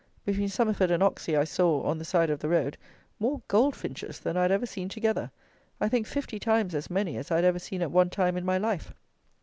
Between Somerford and Ocksey I saw, on the side of the road, more goldfinches than I had ever seen together; I think fifty times as many as I had ever seen at one time in my life.